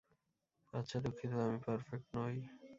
আচ্ছা দুঃখিত, আমি পারফেক্ট নই!